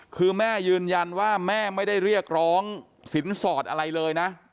คือแม่ยืนยันว่าแม่ไม่ได้เรียกร้องสินสอดอะไรเลยนะ